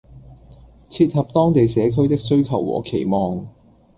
切合當地社區的需求和期望